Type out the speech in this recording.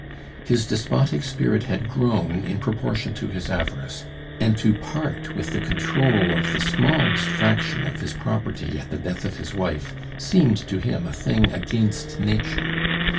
His despotic spirit had grown in proportion to his avarice, and to part with the control of the smallest fraction of his property at the death of his wife seemed to him a thing "against nature."